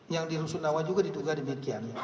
yang di rumah sundawa juga diduga demikian